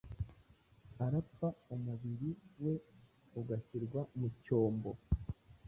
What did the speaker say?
Arapfaumubiri we ugashyirwa mu cyombo